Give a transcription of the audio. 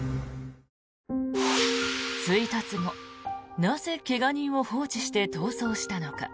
追突後、なぜ怪我人を放置して逃走したのか。